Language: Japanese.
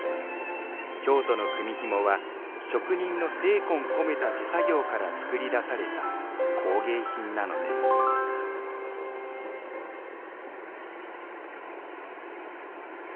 京都の組みひもは職人の精魂込めた手作業から作り出された工芸品なのですいや